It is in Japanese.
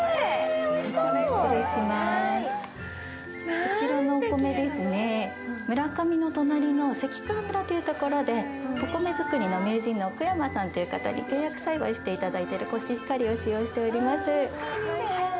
こちらのお米、村上の隣の関川村というところでお米づくりの名人のおくやまさんという方に契約栽培していただいているコシヒカリを使用しております。